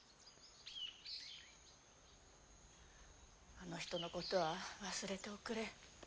あの人のことは忘れておくれ。